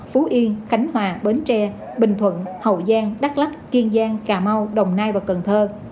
phú yên khánh hòa bến tre bình thuận hậu giang đắk lắc kiên giang cà mau đồng nai và cần thơ